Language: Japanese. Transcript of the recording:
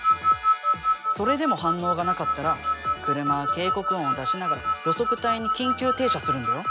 それでも反応がなかったら車は警告音を出しながら路側帯に緊急停車するんだよ。